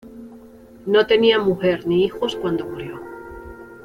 No tenía mujer ni hijos cuando murió.